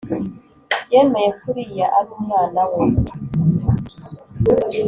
yemeye ko uriya ari umwana we